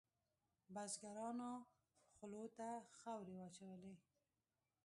بزګرانو خولو ته خاورې واچولې.